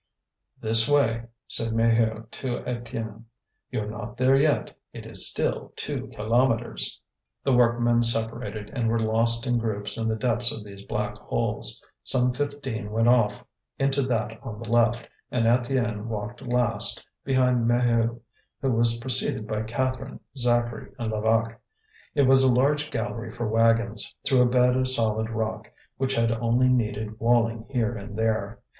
"This way," said Maheu to Étienne. "You're not there yet. It is still two kilometres." The workmen separated, and were lost in groups in the depths of these black holes. Some fifteen went off into that on the left, and Étienne walked last, behind Maheu, who was preceded by Catherine, Zacharie, and Levaque. It was a large gallery for wagons, through a bed of solid rock, which had only needed walling here and there.